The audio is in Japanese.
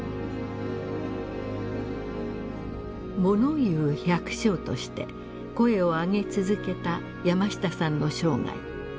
物言う百姓として声を上げ続けた山下さんの生涯。